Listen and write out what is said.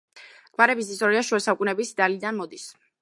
გვარების ისტორია შუა საუკუნეების იტალიიდან მოდის.